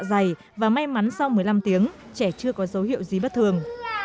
dạ dày và may mắn sau một mươi năm tiếng trẻ chưa có dấu hiệu gì bất thường